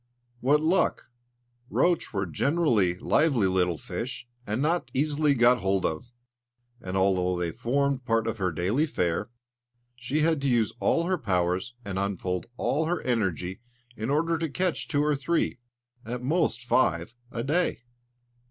What luck! Roach were generally lively little fish, and not easily got hold of; and although they formed part of her daily fare, she had to use all her powers and unfold all her energy in order to catch two or three, at the most five, a day.